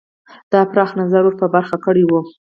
دا پراخ نظر ور په برخه کړی وو.